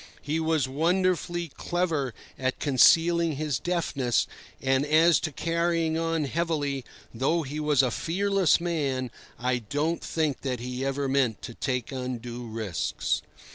He was wonderfully clever at concealing his deafness, and, as to carrying on heavily, though he was a fearless man, I don't think that he ever meant to take undue risks.